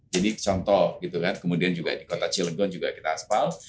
jadi contoh gitu kan kemudian juga di kota cilegon juga kita asfal